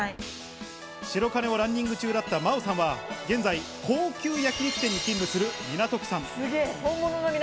白金をランニング中だったマオさんは現在、高級焼肉店に勤務する港区さん。